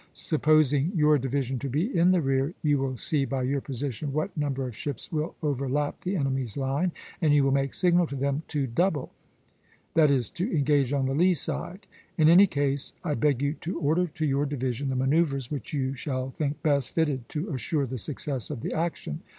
Supposing your division to be in the rear, you will see by your position what number of ships will overlap the enemy's line, and you will make signal to them to double [that is, to engage on the lee side].... In any case, I beg you to order to your division the manoeuvres which you shall think best fitted to assure the success of the action.